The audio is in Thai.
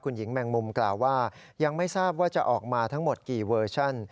คุณหญิงแมงมุมกล่าวว่ายังไม่ทราบว่าจะออกมาทั้งหมดกี่เวอร์ชัน